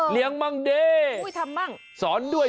เลี้ยงบ้างด้วย